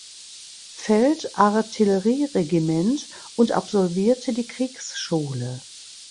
Feldartillerieregiment und absolvierte die Kriegsschule.